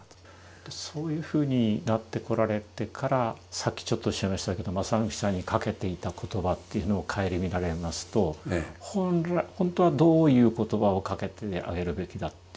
そういうふうになってこられてからさっきちょっとおっしゃいましたけど真史さんにかけていた言葉っていうのをかえりみられますと本当はどういう言葉をかけてあげるべきだっていうふうにお考えになる。